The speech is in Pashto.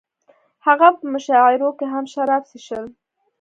هغه په مشاعرو کې هم شراب څښل